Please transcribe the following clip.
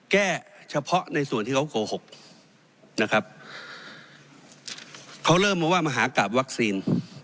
แก้เฉพาะในส่วนที่เขาโกหกนะครับเขาเริ่มมาว่ามหากราบวัคซีน